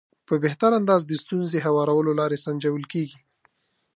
په بهتر انداز د ستونزې هوارولو لارې سنجول کېږي.